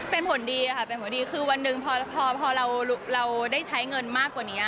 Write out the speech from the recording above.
เป็นผลดีคือคือวันหนึ่งพอเราได้ใช้เงินมากกว่านี้